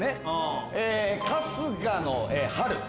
春日の「春」。